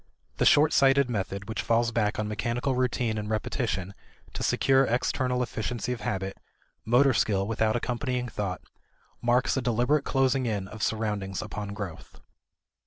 The short sighted method which falls back on mechanical routine and repetition to secure external efficiency of habit, motor skill without accompanying thought, marks a deliberate closing in of surroundings upon growth.